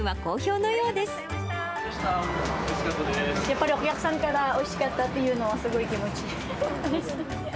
やっぱりお客さんからおいしかったっていうのはすごい気持ちいい。